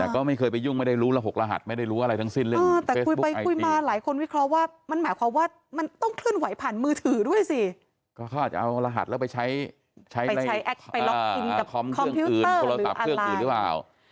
ก็เขาอาจจะเอารหัสแล้วไปใช้ไปล็อคอิงกับคอมพิวเตอร์หรืออันไลน์